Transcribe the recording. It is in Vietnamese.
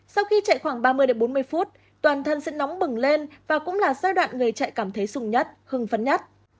sau khi chạy khoảng ba mươi bốn mươi phút toàn thân sẽ nóng bừng lên và cũng là giai đoạn người chạy cảm thấy sùng nhất hưng phấn nhất